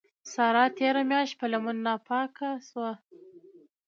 سارا تېره مياشت په لمن ناپاکه سوه.